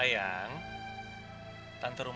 yang bidang men redeem